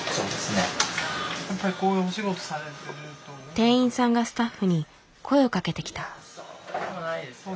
店員さんがスタッフに声をかけてきた。